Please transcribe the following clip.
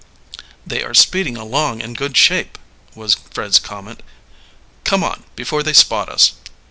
"They are speeding along in good shape," was Fred's comment. "Come on, before they spot us!"